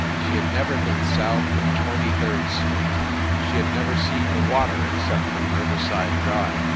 She had never been south of Twenty third Street. She had never seen the water except from Riverside Drive.